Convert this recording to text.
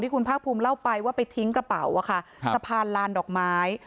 คุณภาคภูมิเล่าไปว่าไปทิ้งกระเป๋าสะพานลานดอกไม้